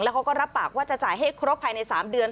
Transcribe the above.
เขาก็รับปากว่าจะจ่ายให้ครบภายใน๓เดือน